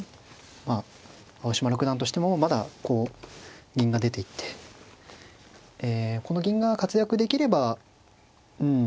まあ青嶋六段としてもまだこう銀が出ていってこの銀が活躍できればうん